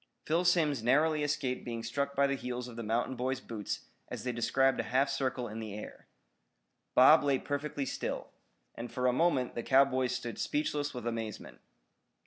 Phil Simms narrowly escaped being struck by the heels of the mountain boy's boots as they described a half circle in the air. Bob lay perfectly still. And for a moment the cowboys stood speechless with amazement.